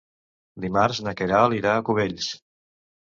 Dimarts na Queralt irà a Cubells.